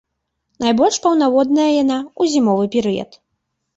Найбольш паўнаводная яна ў зімовы перыяд.